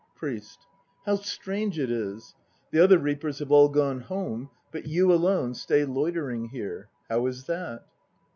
PRIEST. How strange it is! The other reapers have all gone home, but you alone stay loitering here. How is that?